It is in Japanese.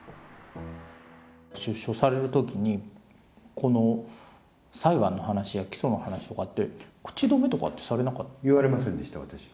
出所されるときに、この裁判の話や起訴の話とかって、言われませんでした、私は。